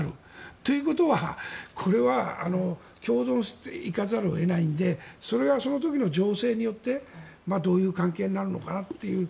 ということは、これは共存していかざるを得ないのでそれはその時の情勢によってどういう関係になるのかなっていう。